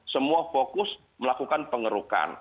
semua fokus melakukan pengurukan